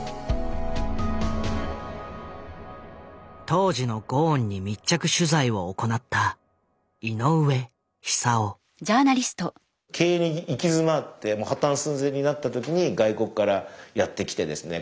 当時のゴーンに密着取材を行った経営に行き詰まってもう破たん寸前になった時に外国からやって来てですね